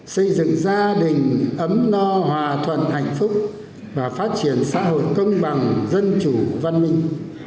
xây dựng gia đình ấm no hòa thuận hạnh phúc và phát triển xã hội công bằng dân chủ văn minh